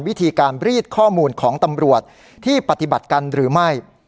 วิธีการรีดข้อมูลของตำรวจที่ปฏิบัติกันหรือไม่